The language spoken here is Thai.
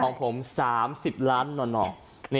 ของผม๓๐ล้านหน่อ